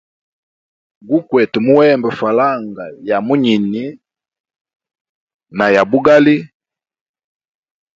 Gukwete muhemba falanga ya munyini na ya bugali.